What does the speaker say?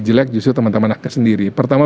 jelek justru teman teman sendiri pertama